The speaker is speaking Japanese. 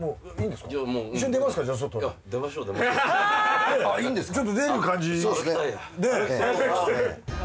あっいいんですか？